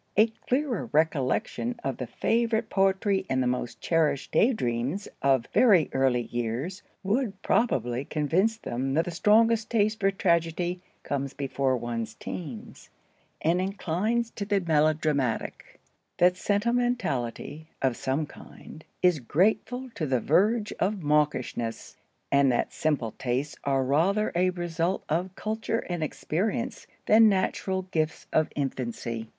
A clearer recollection of the favorite poetry and the most cherished day dreams of very early years would probably convince them that the strongest taste for tragedy comes before one's teens, and inclines to the melodramatic; that sentimentality (of some kind) is grateful to the verge of mawkishness; and that simple tastes are rather a result of culture and experience than natural gifts of infancy.